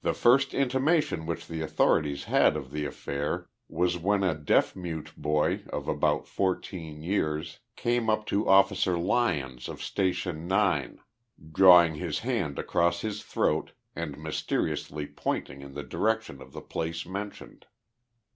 The first intimation which the authorities had of the affair was when a deaf mute boy, of about fourteen years, came up to Officer Lvons of Station 9. drawing *• n 32 THE LIFE OF JESSE HARDING POMEROY. liis hand across his throat and mysteriously pointing in the direc tion of the place mentioned.